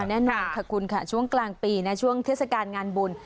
แน่นอนค่ะคุณค่ะช่วงกลางปีนะช่วงเทศกาลงานบุญ